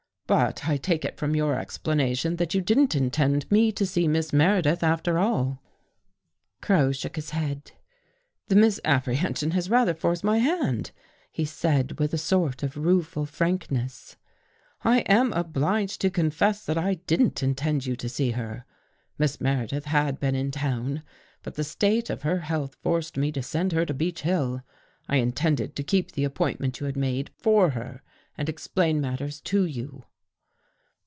But I take it from your explanation that you didn't intend me to see Miss Meredith, after all." Crow shook his head. " The misapprehension has rather forced my hand," he said with a sort of rueful frankness. " I am obliged to confess that I didn't Intend you to see her. Miss Meredith had been in town, but the state of her health forced me to send her to Beech Hill. I Intended to keep the appointment you had made, for her and explain matters to you."